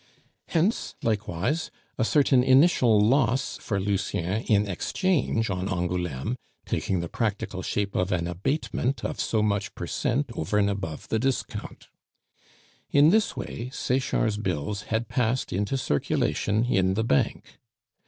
Hence, likewise, a certain initial loss for Lucien in exchange on Angouleme, taking the practical shape of an abatement of so much per cent over and above the discount. In this way Sechard's bills had passed into circulation in the bank.